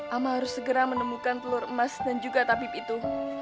ama harus segera menemukan telur emas dan juga tabib itu